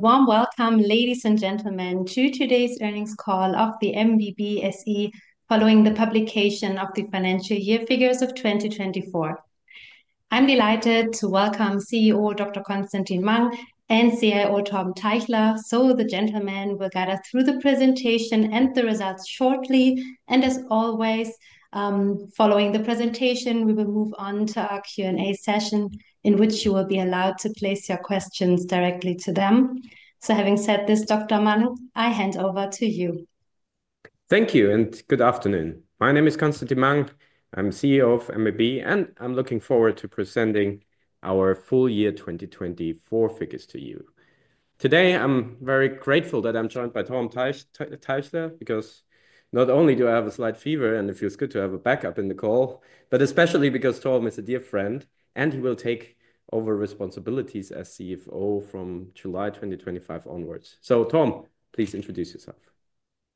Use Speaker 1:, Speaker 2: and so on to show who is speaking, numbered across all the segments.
Speaker 1: Warm welcome, ladies and gentlemen, to today's earnings call of the MBB SE following the publication of the financial year figures of 2024. I'm delighted to welcome CEO Dr. Constantin Mang and CIO Torben Teichler. The gentlemen will guide us through the presentation and the results shortly. As always, following the presentation, we will move on to our Q&A session, in which you will be allowed to place your questions directly to them. Having said this, Dr. Mang, I hand over to you.
Speaker 2: Thank you and good afternoon. My name is Constantin Mang. I'm CEO of MBB, and I'm looking forward to presenting our full year 2024 figures to you. Today, I'm very grateful that I'm joined by Torben Teichler because not only do I have a slight fever and it feels good to have a backup in the call, but especially because Torben is a dear friend and he will take over responsibilities as CFO from July 2025 onwards. Torben, please introduce yourself.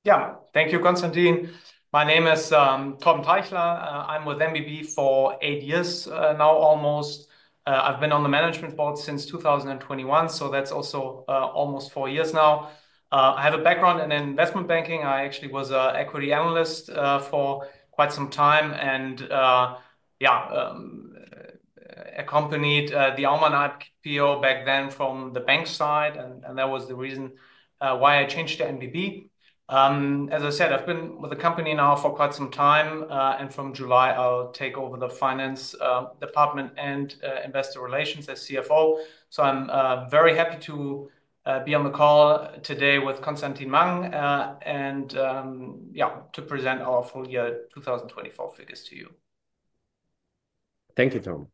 Speaker 3: Yeah, thank you, Constantin. My name is Torben Teichler. I'm with MBB for eight years now, almost. I've been on the management board since 2021, so that's also almost four years now. I have a background in investment banking. I actually was an equity analyst for quite some time and, yeah, accompanied the Aumann AG IPO back then from the bank side. That was the reason why I changed to MBB. As I said, I've been with the company now for quite some time, and from July, I'll take over the finance department and investor relations as CFO. I'm very happy to be on the call today with Constantin Mang and, yeah, to present our full year 2024 figures to you.
Speaker 2: Thank you, Torben.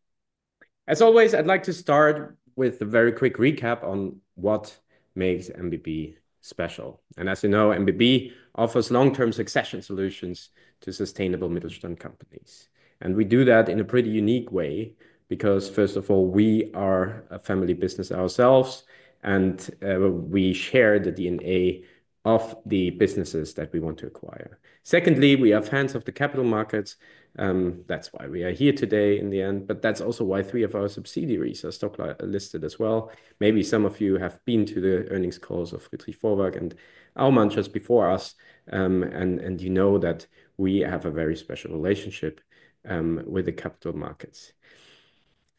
Speaker 2: As always, I'd like to start with a very quick recap on what makes MBB special. As you know, MBB offers long-term succession solutions to sustainable Mittelstand companies. We do that in a pretty unique way because, first of all, we are a family business ourselves, and we share the DNA of the businesses that we want to acquire. Secondly, we have hands of the capital markets. That is why we are here today in the end. That is also why three of our subsidiaries are stock-listed as well. Maybe some of you have been to the earnings calls of Friedrich Vorwerk and Aumann just before us, and you know that we have a very special relationship with the capital markets.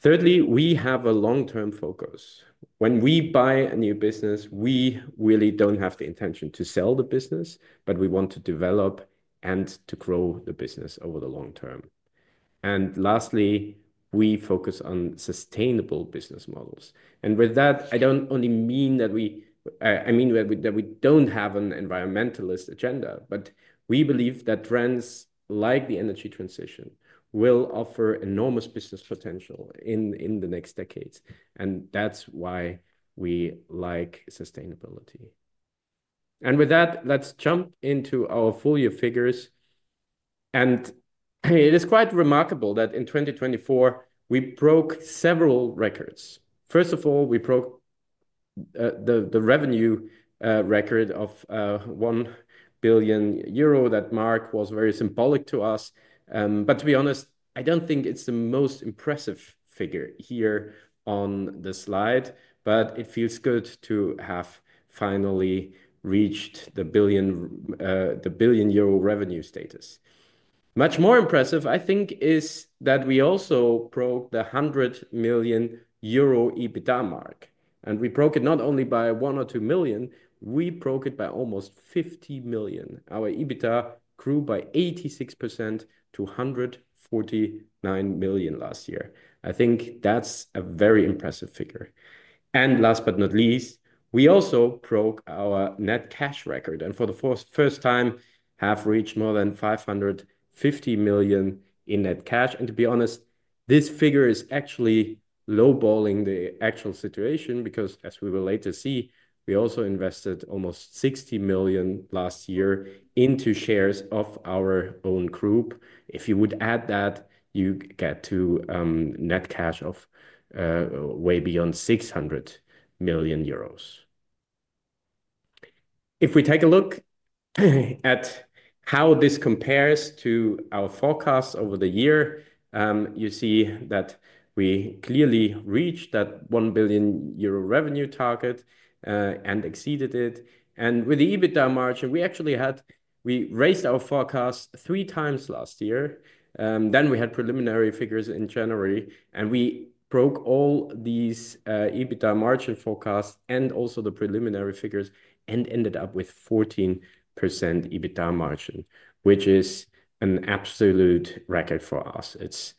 Speaker 2: Thirdly, we have a long-term focus. When we buy a new business, we really do not have the intention to sell the business, but we want to develop and to grow the business over the long term. Lastly, we focus on sustainable business models. With that, I do not only mean that we—I mean that we do not have an environmentalist agenda, but we believe that trends like the energy transition will offer enormous business potential in the next decades. That is why we like sustainability. With that, let us jump into our full year figures. It is quite remarkable that in 2024, we broke several records. First of all, we broke the revenue record of 1 billion euro. That mark was very symbolic to us. To be honest, I do not think it is the most impressive figure here on the slide, but it feels good to have finally reached the billion-euro revenue status. Much more impressive, I think, is that we also broke the 100 million euro EBITDA mark. We broke it not only by one or 2 million. We broke it by almost 50 million. Our EBITDA grew by 86% to 149 million last year. I think that is a very impressive figure. Last but not least, we also broke our net cash record and for the first time have reached more than 550 million in net cash. To be honest, this figure is actually lowballing the actual situation because, as we will later see, we also invested almost 60 million last year into shares of our own group. If you would add that, you get to net cash of way beyond 600 million euros. If we take a look at how this compares to our forecasts over the year, you see that we clearly reached that 1 billion euro revenue target and exceeded it. With the EBITDA margin, we actually had—we raised our forecast three times last year. We had preliminary figures in January, and we broke all these EBITDA margin forecasts and also the preliminary figures and ended up with 14% EBITDA margin, which is an absolute record for us. It is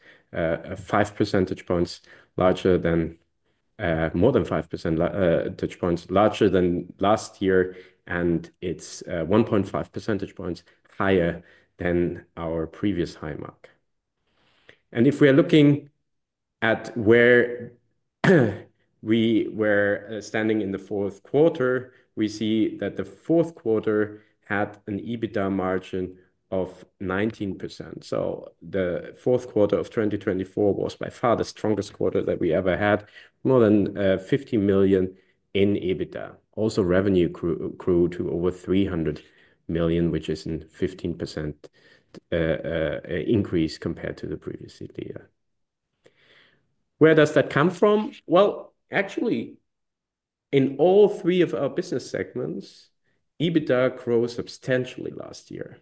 Speaker 2: 5 percentage points larger than—more than 5 percentage points larger than last year, and it is 1.5 percentage points higher than our previous high mark. If we are looking at where we were standing in the fourth quarter, we see that the fourth quarter had an EBITDA margin of 19%. The fourth quarter of 2024 was by far the strongest quarter that we ever had, more than 50 million in EBITDA. Also, revenue grew to over 300 million, which is a 15% increase compared to the previous year. Where does that come from? Actually, in all three of our business segments, EBITDA grew substantially last year.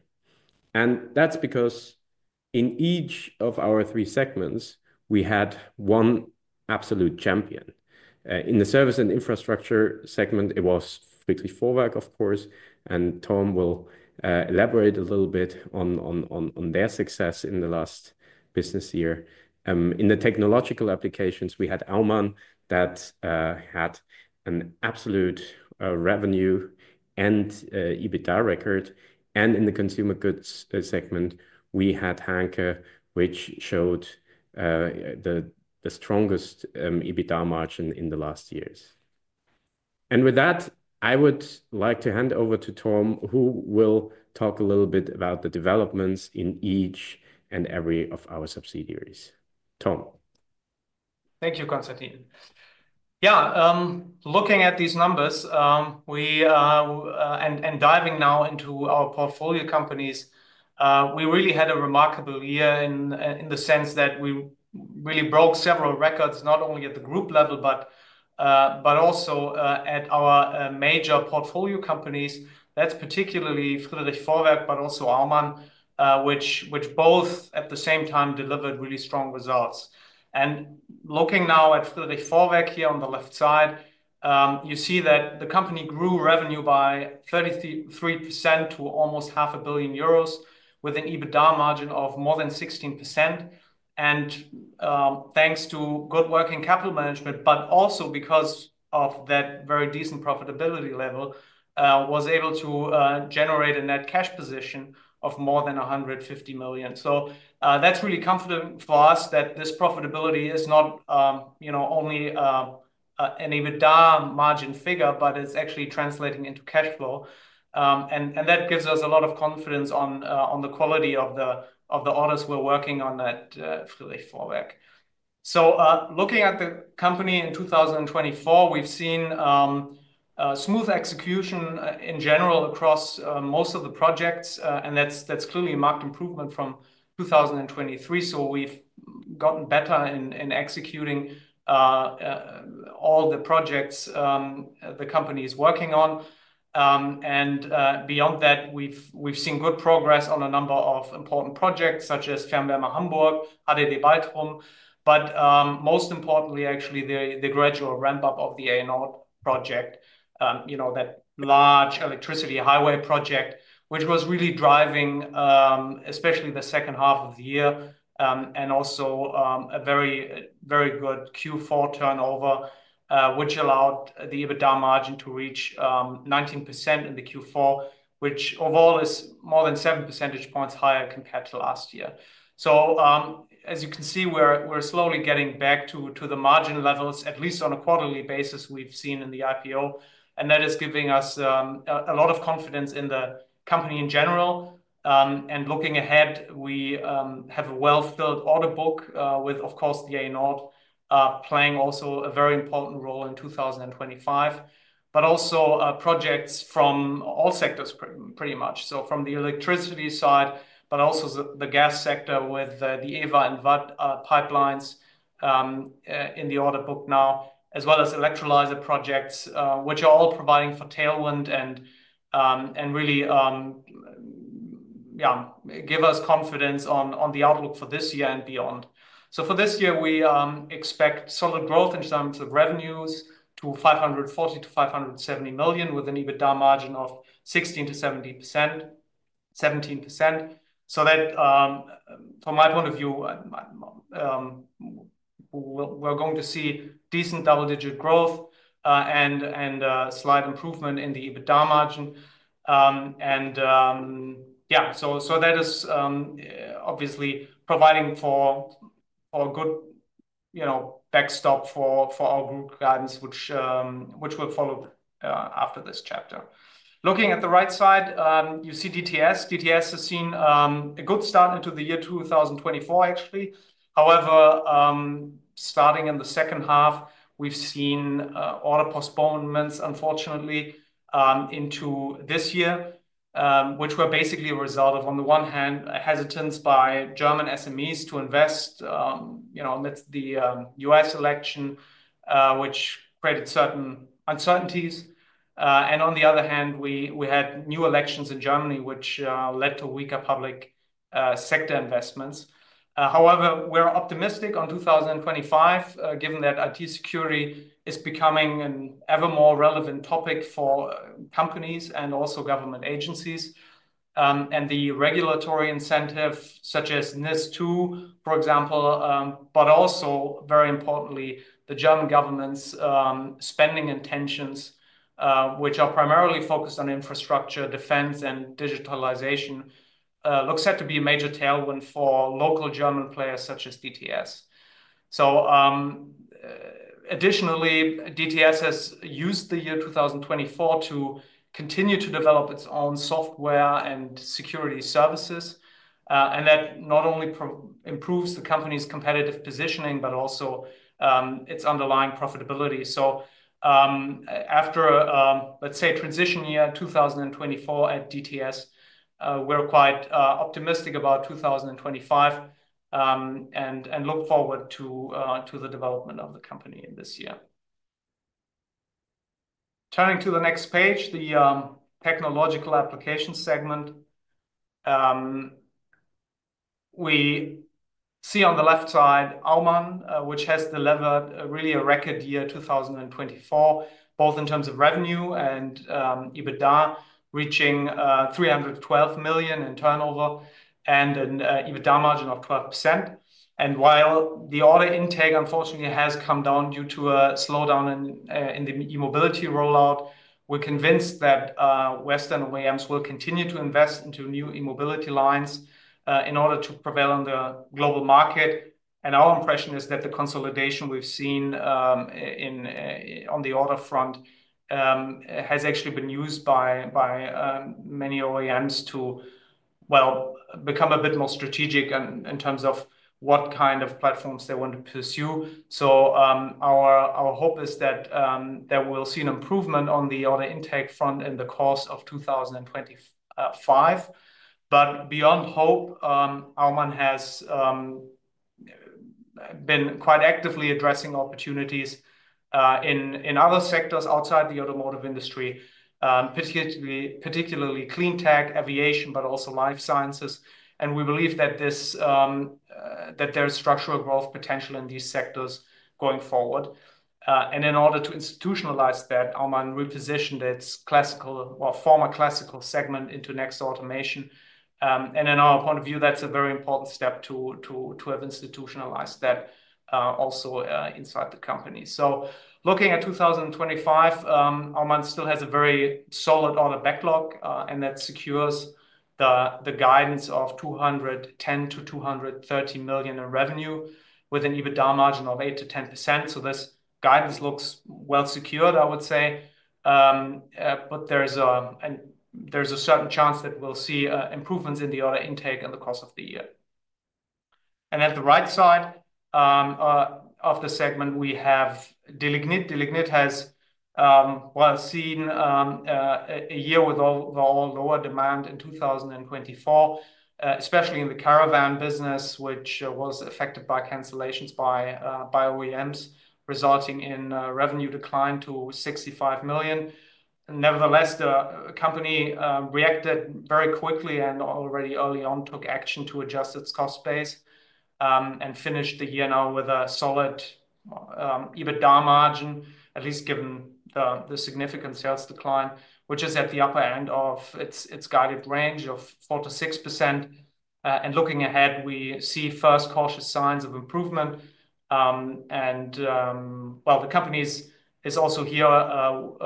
Speaker 2: That is because in each of our three segments, we had one absolute champion. In the service and infrastructure segment, it was Friedrich Vorwerk, of course. Torben will elaborate a little bit on their success in the last business year. In the technological applications, we had Aumann that had an absolute revenue and EBITDA record. In the consumer goods segment, we had Hanke, which showed the strongest EBITDA margin in the last years. With that, I would like to hand over to Torben, who will talk a little bit about the developments in each and every of our subsidiaries. Torben.
Speaker 3: Thank you, Constantin. Yeah, looking at these numbers and diving now into our portfolio companies, we really had a remarkable year in the sense that we really broke several records, not only at the group level, but also at our major portfolio companies. That's particularly Friedrich Vorwerk, but also Aumann, which both at the same time delivered really strong results. Looking now at Friedrich Vorwerk here on the left side, you see that the company grew revenue by 33% to almost 500 million euros with an EBITDA margin of more than 16%. Thanks to good work in capital management, but also because of that very decent profitability level, was able to generate a net cash position of more than 150 million. That's really comforting for us that this profitability is not only an EBITDA margin figure, but it's actually translating into cash flow. That gives us a lot of confidence on the quality of the orders we're working on at Friedrich Vorwerk. Looking at the company in 2024, we've seen smooth execution in general across most of the projects, and that's clearly a marked improvement from 2023. We've gotten better in executing all the projects the company is working on. Beyond that, we've seen good progress on a number of important projects such as Fernwärme Hamburg, HDD Baltrum. Most importantly, actually, the gradual ramp-up of the A-Nord project, that large electricity highway project, which was really driving especially the second half of the year, and also a very good Q4 turnover, which allowed the EBITDA margin to reach 19% in Q4, which overall is more than seven percentage points higher compared to last year. As you can see, we're slowly getting back to the margin levels, at least on a quarterly basis, we've seen in the IPO. That is giving us a lot of confidence in the company in general. Looking ahead, we have a well-filled order book with, of course, the A-Nord playing also a very important role in 2025, but also projects from all sectors pretty much. From the electricity side, but also the gas sector with the EWA and WAD pipelines in the order book now, as well as electrolyzer projects, which are all providing for tailwind and really give us confidence on the outlook for this year and beyond. For this year, we expect solid growth in terms of revenues to 540 million-570 million with an EBITDA margin of 16%-17%. That, from my point of view, we're going to see decent double-digit growth and slight improvement in the EBITDA margin. Yeah, that is obviously providing for a good backstop for our group guidance, which we'll follow after this chapter. Looking at the right side, you see DTS. DTS has seen a good start into the year 2024, actually. However, starting in the second half, we've seen order postponements, unfortunately, into this year, which were basically a result of, on the one hand, hesitance by German SMEs to invest. That's the U.S. election, which created certain uncertainties. On the other hand, we had new elections in Germany, which led to weaker public sector investments. However, we're optimistic on 2025, given that IT security is becoming an ever more relevant topic for companies and also government agencies. The regulatory incentive, such as NIS2, for example, but also, very importantly, the German government's spending intentions, which are primarily focused on infrastructure, defense, and digitalization, looks set to be a major tailwind for local German players such as DTS. Additionally, DTS has used the year 2024 to continue to develop its own software and security services. That not only improves the company's competitive positioning, but also its underlying profitability. After, let's say, transition year 2024 at DTS, we're quite optimistic about 2025 and look forward to the development of the company in this year. Turning to the next page, the technological application segment. We see on the left side Aumann, which has delivered really a record year 2024, both in terms of revenue and EBITDA, reaching 312 million in turnover and an EBITDA margin of 12%. While the order intake, unfortunately, has come down due to a slowdown in the e-mobility rollout, we're convinced that Western OEMs will continue to invest into new e-mobility lines in order to prevail on the global market. Our impression is that the consolidation we've seen on the order front has actually been used by many OEMs to, well, become a bit more strategic in terms of what kind of platforms they want to pursue. Our hope is that we'll see an improvement on the order intake front in the course of 2025. Beyond hope, Aumann has been quite actively addressing opportunities in other sectors outside the automotive industry, particularly clean tech, aviation, but also life sciences. We believe that there's structural growth potential in these sectors going forward. In order to institutionalize that, Aumann repositioned its classical, well, former classical segment into Next Automation. In our point of view, that's a very important step to have institutionalized that also inside the company. Looking at 2025, Aumann still has a very solid order backlog, and that secures the guidance of 210 million-230 million in revenue with an EBITDA margin of 8%-10%. This guidance looks well secured, I would say. There is a certain chance that we'll see improvements in the order intake in the course of the year. At the right side of the segment, we have Delignit. Delignit has, well, seen a year with all lower demand in 2024, especially in the caravan business, which was affected by cancellations by OEMs, resulting in revenue decline to 65 million. Nevertheless, the company reacted very quickly and already early on took action to adjust its cost base and finished the year now with a solid EBITDA margin, at least given the significant sales decline, which is at the upper end of its guided range of 4%-6%. Looking ahead, we see first cautious signs of improvement. While the company is also here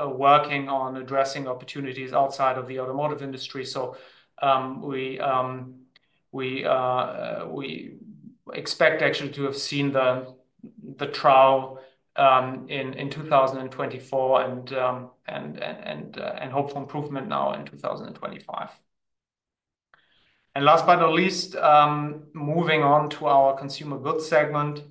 Speaker 3: working on addressing opportunities outside of the automotive industry, we expect actually to have seen the trough in 2024 and hopeful improvement now in 2025. Last but not least, moving on to our consumer goods segment,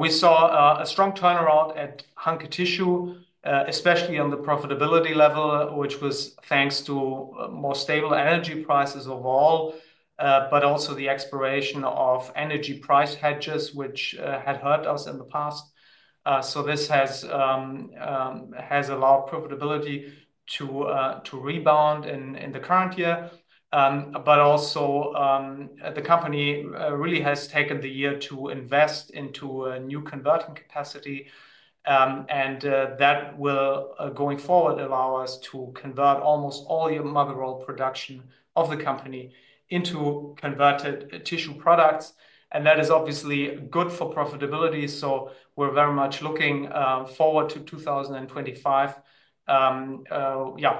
Speaker 3: we saw a strong turnaround at Hanke Tissue, especially on the profitability level, which was thanks to more stable energy prices overall, but also the expiration of energy price hedges, which had hurt us in the past. This has allowed profitability to rebound in the current year. The company really has taken the year to invest into a new converting capacity. That will, going forward, allow us to convert almost all the mother roll production of the company into converted tissue products. That is obviously good for profitability. We are very much looking forward to 2025,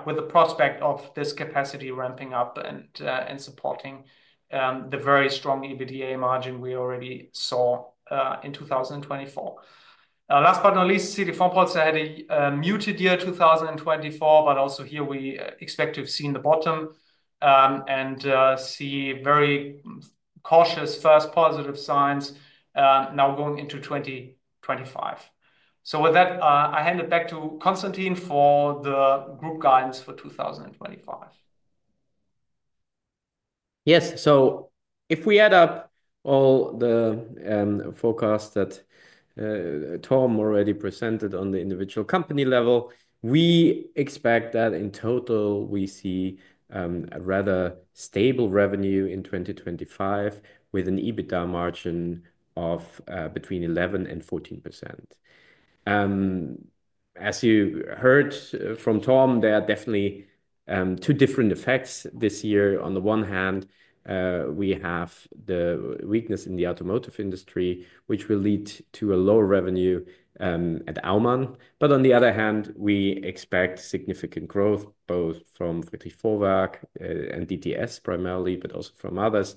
Speaker 3: with the prospect of this capacity ramping up and supporting the very strong EBITDA margin we already saw in 2024. Last but not least, CT Formpolster had a muted year 2024, but also here we expect to have seen the bottom and see very cautious first positive signs now going into 2025. With that, I hand it back to Constantin for the group guidance for 2025.
Speaker 2: Yes. If we add up all the forecasts that Torben already presented on the individual company level, we expect that in total, we see a rather stable revenue in 2025 with an EBITDA margin of between 11% and 14%. As you heard from Torben, there are definitely two different effects this year. On the one hand, we have the weakness in the automotive industry, which will lead to a lower revenue at Aumann. On the other hand, we expect significant growth both from Friedrich Vorwerk and DTS primarily, but also from others.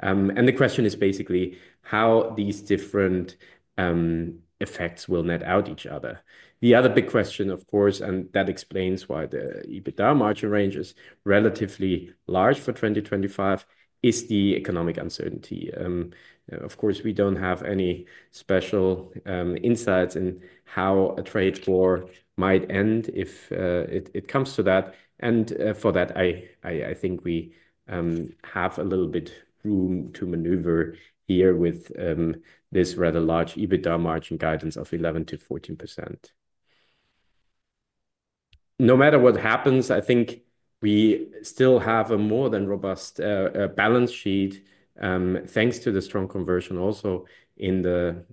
Speaker 2: The question is basically how these different effects will net out each other. The other big question, of course, and that explains why the EBITDA margin range is relatively large for 2025, is the economic uncertainty. Of course, we do not have any special insights in how a trade war might end if it comes to that. For that, I think we have a little bit of room to maneuver here with this rather large EBITDA margin guidance of 11%-14%. No matter what happens, I think we still have a more than robust balance sheet. Thanks to the strong conversion also in the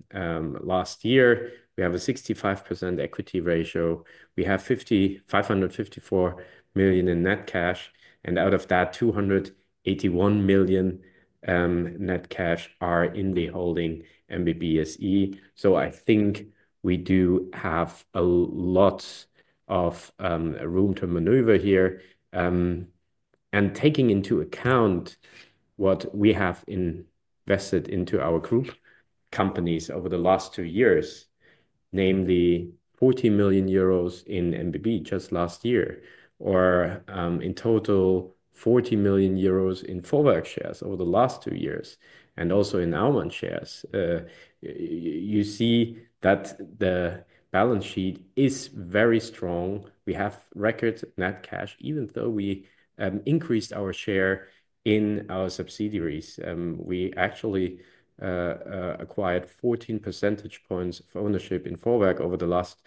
Speaker 2: last year, we have a 65% equity ratio. We have 554 million in net cash. Out of that, 281 million net cash are in the holding MBB SE. I think we do have a lot of room to maneuver here. Taking into account what we have invested into our group companies over the last two years, namely 40 million euros in MBB just last year, or in total 40 million euros in Vorwerk shares over the last two years, and also in Aumann shares, you see that the balance sheet is very strong. We have record net cash, even though we increased our share in our subsidiaries. We actually acquired 14 percentage points of ownership in Vorwerk over the last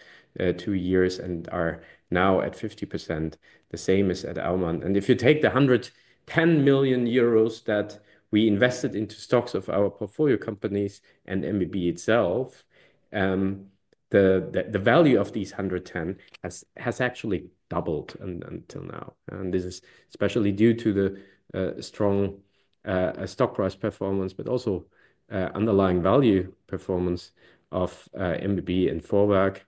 Speaker 2: two years and are now at 50%, the same as at Aumann. If you take the 110 million euros that we invested into stocks of our portfolio companies and MBB itself, the value of these 110 million has actually doubled until now. This is especially due to the strong stock price performance, but also underlying value performance of MBB and Vorwerk.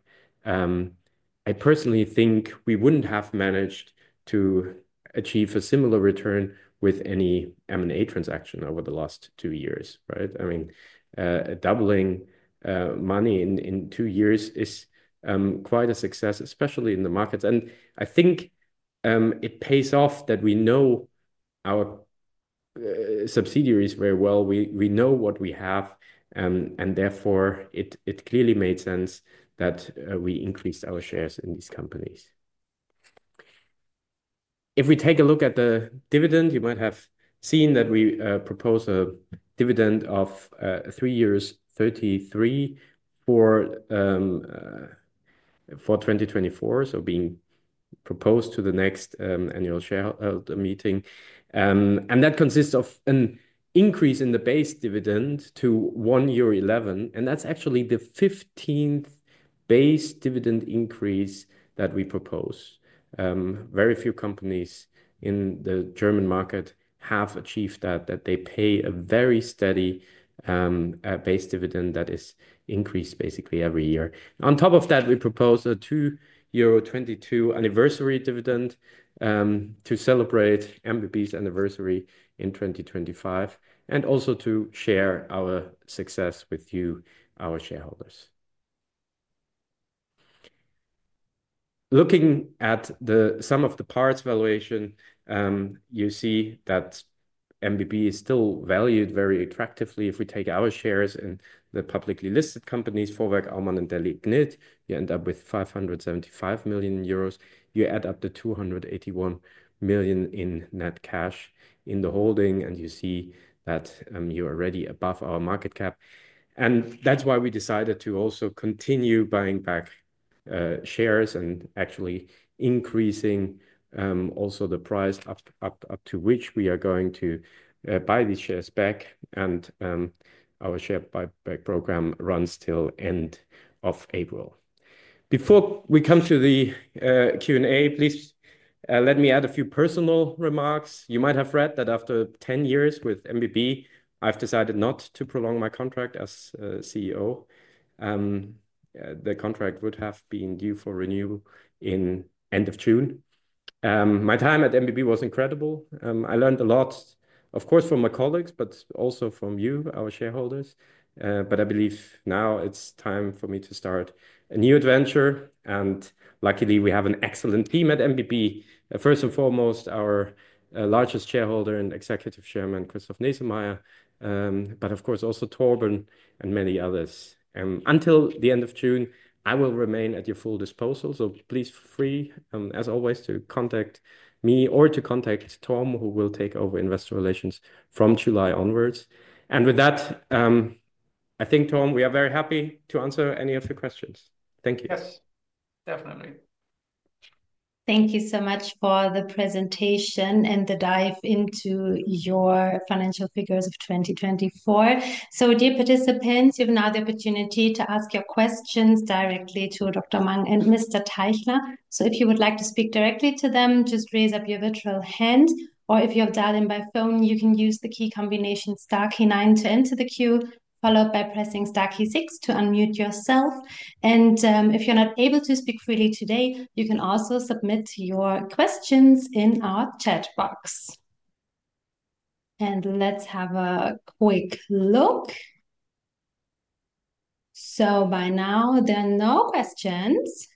Speaker 2: I personally think we wouldn't have managed to achieve a similar return with any M&A transaction over the last two years. I mean, doubling money in two years is quite a success, especially in the markets. I think it pays off that we know our subsidiaries very well. We know what we have. Therefore, it clearly made sense that we increased our shares in these companies. If we take a look at the dividend, you might have seen that we propose a dividend of 3.33 for 2024, being proposed to the next annual shareholder meeting. That consists of an increase in the base dividend to 1.11 euro. That's actually the 15th base dividend increase that we propose. Very few companies in the German market have achieved that, that they pay a very steady base dividend that is increased basically every year. On top of that, we propose a 2.22 euro anniversary dividend to celebrate MBB's anniversary in 2025, and also to share our success with you, our shareholders. Looking at the sum of the parts valuation, you see that MBB is still valued very attractively. If we take our shares in the publicly listed companies, Vorwerk, Aumann, and Delignit, you end up with 575 million euros. You add up to 281 million in net cash in the holding, and you see that you're already above our market cap. That is why we decided to also continue buying back shares and actually increasing also the price up to which we are going to buy these shares back. Our share buyback program runs till the end of April. Before we come to the Q&A, please let me add a few personal remarks. You might have read that after 10 years with MBB, I've decided not to prolong my contract as CEO. The contract would have been due for renewal in the end of June. My time at MBB was incredible. I learned a lot, of course, from my colleagues, but also from you, our shareholders. I believe now it's time for me to start a new adventure. Luckily, we have an excellent team at MBB. First and foremost, our largest shareholder and Executive Chairman, Christof Nesemeier. Of course, also Torben and many others. Until the end of June, I will remain at your full disposal. Please feel free, as always, to contact me or to contact Torben, who will take over investor relations from July onwards. With that, I think, Torben, we are very happy to answer any of your questions. Thank you.
Speaker 3: Yes, definitely.
Speaker 1: Thank you so much for the presentation and the dive into your financial figures of 2024. Dear participants, you now have the opportunity to ask your questions directly to Dr. Mang and Mr. Teichler. If you would like to speak directly to them, just raise your virtual hand. If you have dialed in by phone, you can use the key combination star key nine to enter the queue, followed by pressing star key six to unmute yourself. If you are not able to speak freely today, you can also submit your questions in our chat box. Let's have a quick look. By now, there are no questions.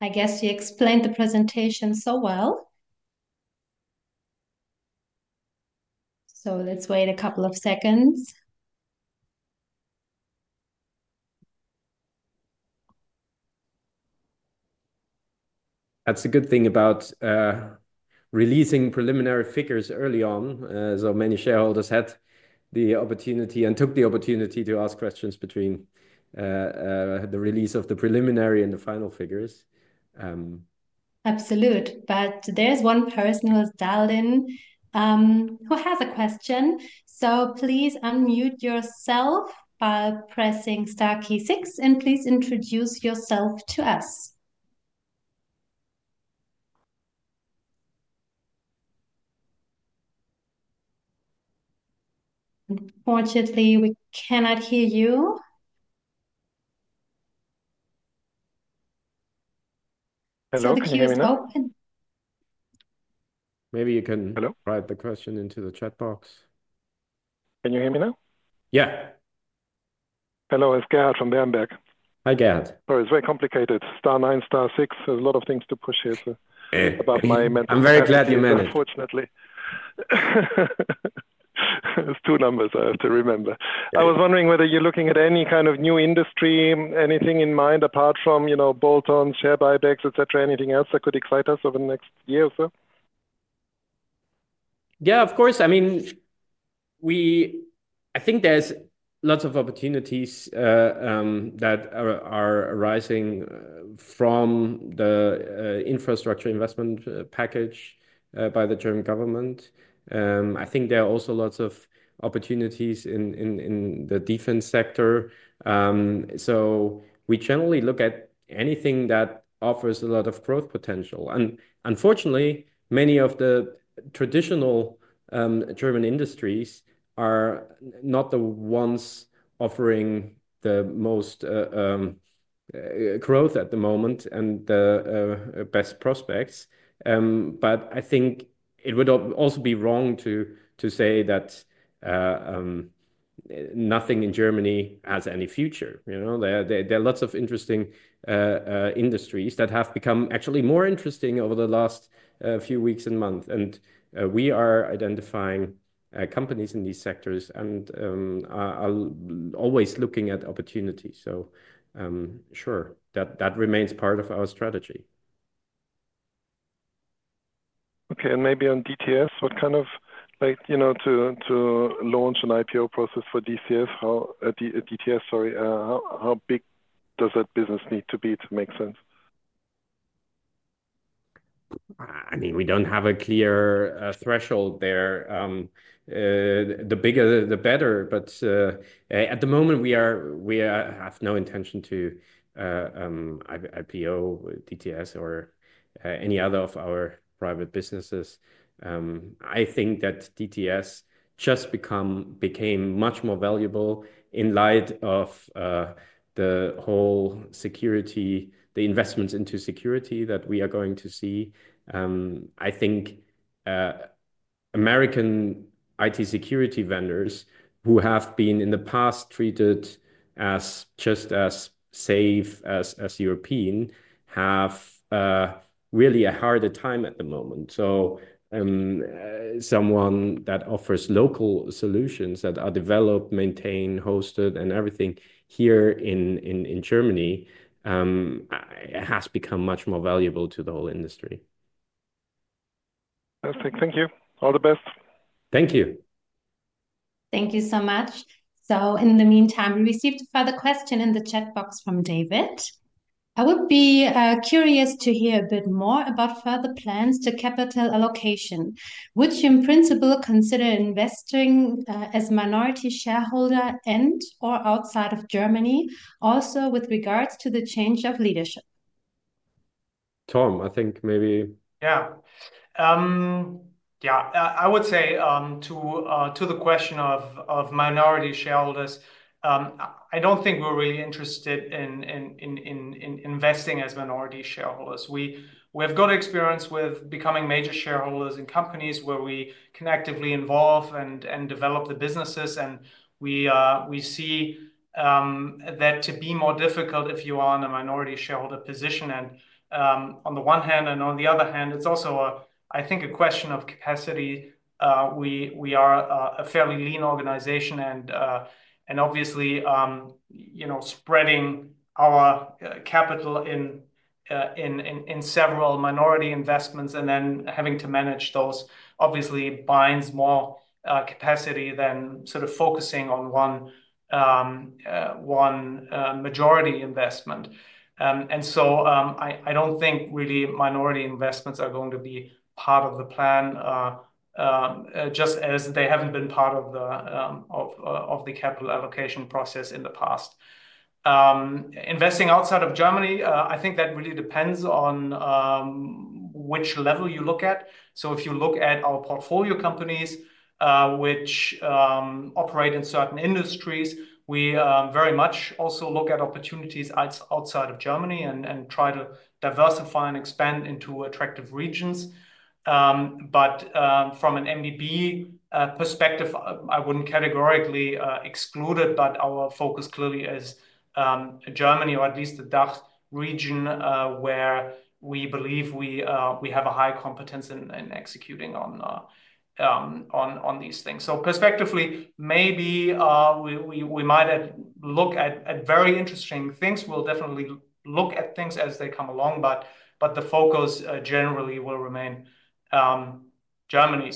Speaker 1: I guess you explained the presentation so well. Let's wait a couple of seconds.
Speaker 2: That's the good thing about releasing preliminary figures early on. Many shareholders had the opportunity and took the opportunity to ask questions between the release of the preliminary and the final figures.
Speaker 1: Absolute. There is one person who has dialed in who has a question. Please unmute yourself by pressing star key six and please introduce yourself to us. Unfortunately, we cannot hear you. Hello, can you hear me now?
Speaker 2: Maybe you can write the question into the chat box. Can you hear me now? Yeah. Hello, it's Gerhard from Berenberg. Hi, Gerhard. It's very complicated. Star nine, star six, there's a lot of things to push here. I'm very glad you managed. Unfortunately, there's two numbers I have to remember. I was wondering whether you're looking at any kind of new industry, anything in mind apart from bolt-ons, share buybacks, et cetera, anything else that could excite us over the next year or so? Yeah, of course. I mean, I think there's lots of opportunities that are arising from the infrastructure investment package by the German government. I think there are also lots of opportunities in the defense sector. We generally look at anything that offers a lot of growth potential. Unfortunately, many of the traditional German industries are not the ones offering the most growth at the moment and the best prospects. I think it would also be wrong to say that nothing in Germany has any future. There are lots of interesting industries that have become actually more interesting over the last few weeks and months. We are identifying companies in these sectors and are always looking at opportunities. Sure, that remains part of our strategy. Okay. Maybe on DTS, what kind of, like, you know, to launch an IPO process for DTS, how big does that business need to be to make sense? I mean, we do not have a clear threshold there. The bigger, the better. At the moment, we have no intention to IPO DTS or any other of our private businesses. I think that DTS just became much more valuable in light of the whole security, the investments into security that we are going to see. I think American IT security vendors who have in the past been treated just as safe as European have really a harder time at the moment. Someone that offers local solutions that are developed, maintained, hosted, and everything here in Germany has become much more valuable to the whole industry. Perfect. Thank you. All the best. Thank you.
Speaker 1: Thank you so much. In the meantime, we received a further question in the chat box from David. I would be curious to hear a bit more about further plans to capital allocation. Would you in principle consider investing as a minority shareholder and/or outside of Germany, also with regards to the change of leadership?
Speaker 2: Torben, I think maybe.
Speaker 3: Yeah. Yeah, I would say to the question of minority shareholders, I do not think we are really interested in investing as minority shareholders. We have good experience with becoming major shareholders in companies where we can actively involve and develop the businesses. We see that to be more difficult if you are in a minority shareholder position. On the one hand, and on the other hand, it is also, I think, a question of capacity. We are a fairly lean organization. Obviously, spreading our capital in several minority investments and then having to manage those obviously binds more capacity than focusing on one majority investment. I do not think really minority investments are going to be part of the plan, just as they have not been part of the capital allocation process in the past. Investing outside of Germany, I think that really depends on which level you look at. If you look at our portfolio companies, which operate in certain industries, we very much also look at opportunities outside of Germany and try to diversify and expand into attractive regions. From an MBB perspective, I would not categorically exclude it, but our focus clearly is Germany, or at least the DACH region, where we believe we have a high competence in executing on these things. Perspectively, maybe we might look at very interesting things. We will definitely look at things as they come along, but the focus generally will remain Germany.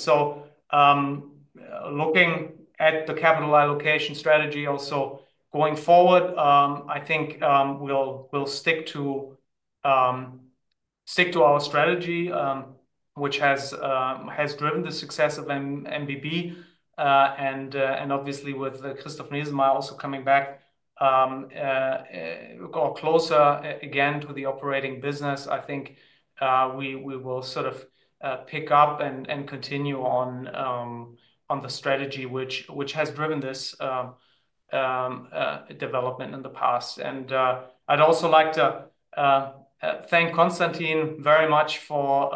Speaker 3: Looking at the capital allocation strategy also going forward, I think we will stick to our strategy, which has driven the success of MBB. Obviously, with Christof Nesemeier also coming back closer again to the operating business, I think we will sort of pick up and continue on the strategy, which has driven this development in the past. I would also like to thank Constantin very much for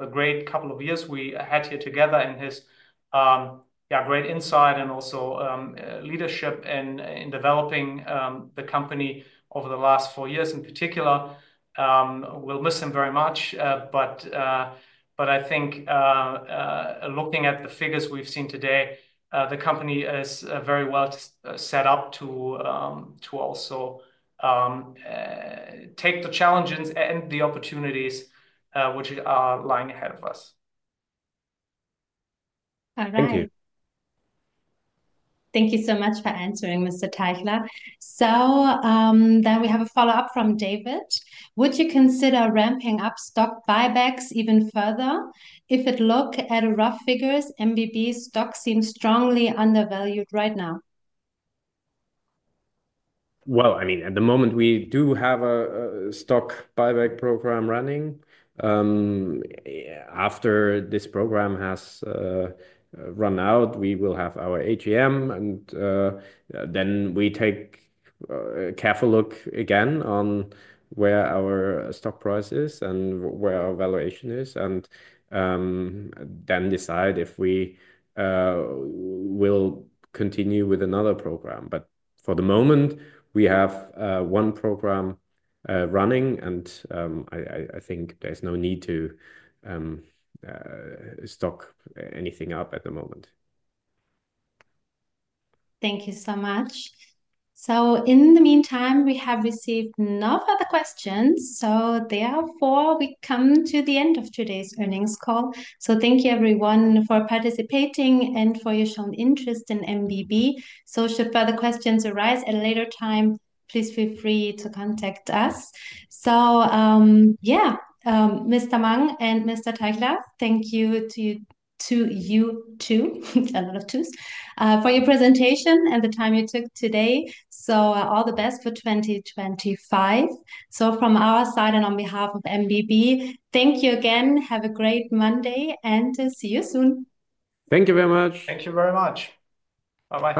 Speaker 3: the great couple of years we had here together and his great insight and also leadership in developing the company over the last four years in particular. We will miss him very much. I think looking at the figures we have seen today, the company is very well set up to also take the challenges and the opportunities which are lying ahead of us.
Speaker 2: Thank you.
Speaker 1: Thank you so much for answering, Mr. Teichler. We have a follow-up from David. Would you consider ramping up stock buybacks even further if it looked at rough figures? MBB stock seems strongly undervalued right now.
Speaker 2: I mean, at the moment, we do have a stock buyback program running. After this program has run out, we will have our AGM, and then we take a careful look again on where our stock price is and where our valuation is, and then decide if we will continue with another program. For the moment, we have one program running, and I think there's no need to stock anything up at the moment.
Speaker 1: Thank you so much. In the meantime, we have received no further questions. Therefore, we come to the end of today's earnings call. Thank you, everyone, for participating and for your shown interest in MBB. Should further questions arise at a later time, please feel free to contact us. Mr. Mang and Mr. Teichler, thank you to you two, a lot of twos, for your presentation and the time you took today. All the best for 2025. From our side and on behalf of MBB, thank you again. Have a great Monday and see you soon.
Speaker 2: Thank you very much.
Speaker 3: Thank you very much. Bye-bye.